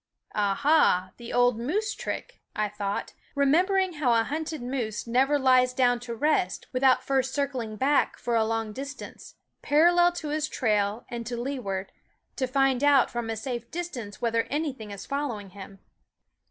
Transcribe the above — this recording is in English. "Aha! the old moose trick," I thought, remembering how a hunted moose never lies down to rest without first circling back for a long distance, parallel to his trail and to lee ward, to find out from a safe distance whether anything is following him.